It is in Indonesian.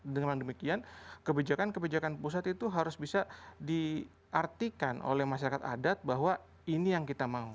dengan demikian kebijakan kebijakan pusat itu harus bisa diartikan oleh masyarakat adat bahwa ini yang kita mau